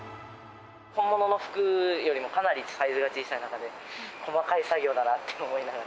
本物の服よりもかなりサイズが小さい中で、細かい作業だなって思いながら。